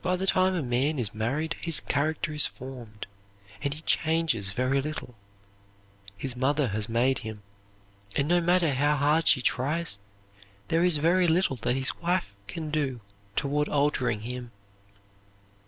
"By the time a man is married his character is formed, and he changes very little. His mother has made him; and no matter how hard she tries, there is very little that his wife can do toward altering him.